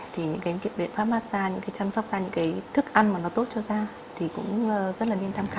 thì những cái biện pháp massage những cái chăm sóc ra những cái thức ăn mà nó tốt cho da thì cũng rất là nên tham khảo